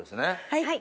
はい。